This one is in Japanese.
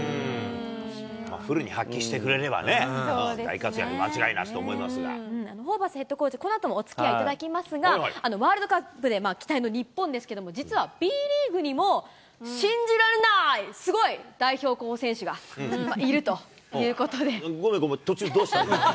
フルに発揮してくれればね、ホーバスヘッドコーチ、このあともおつきあいいただきますが、ワールドカップで期待の日本ですけれども、実はＢリーグにも信じられないすごい代表候補選手がいるというこごめん、ごめん、途中どうしたの？